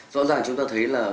rõ ràng chúng ta thấy là